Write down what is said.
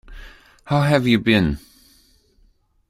How have you been?